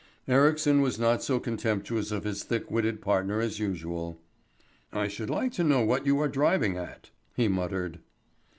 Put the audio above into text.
Ericsson was not so contemptuous of his thick witted partner as usual. "I should like to know what you are driving at," he muttered.